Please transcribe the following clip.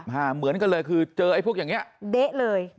เหมือนกันเลยคือเจอไอ้พวกอย่างเนี้ยเด๊ะเลย